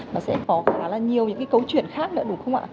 nó sẽ có khá là nhiều những cái câu chuyện khác nữa đúng không ạ